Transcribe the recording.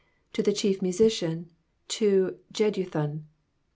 — To the Chief Masician, to Jednthnn.